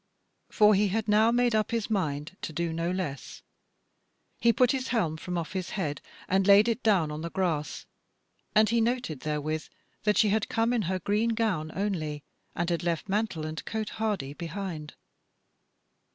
For he had now made up his mind to do no less. He put his helm from off his head and laid it down on the grass, and he noted therewith that she had come in her green gown only, and had left mantle and cote hardie behind.